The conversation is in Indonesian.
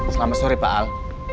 selamat sore pak al